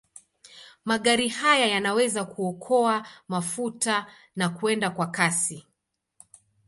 Magari haya yanaweza kuokoa mafuta na kwenda kwa kasi.